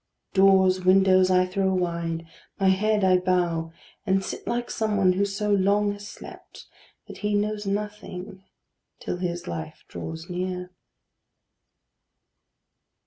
Doors, windows, I throw wide; my head I bow, And sit like some one who so long has slept That he knows nothing till his life draw near.